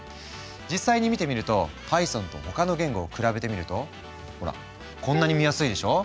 実際に見てみるとパイソンと他の言語を比べてみるとほらこんなに見やすいでしょ。